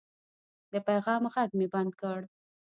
د پیغام غږ مې بند کړ.